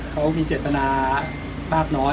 เขามีเจตนามากน้อย